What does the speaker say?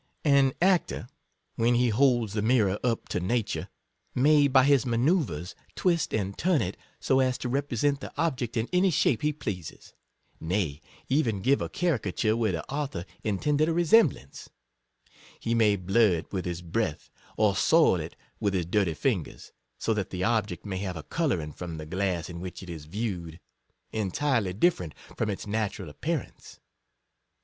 58 An actor, when he " holds the mirror up to nature," may, by his manoeuvres, twist and turn it so as to represent the object in any shape he pleases — nay, even give a caricature where the author intended a resemblance; he may blur it with his breath, or soil it with his dirty fingers, so that the object may have a colouring from the glass in which it is viewed, entirely different from its natural ap pearance.